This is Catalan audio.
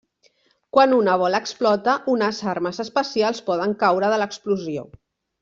Quan una bola explota, unes armes especials poden caure de l'explosió.